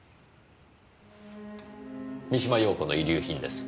三島陽子の遺留品です。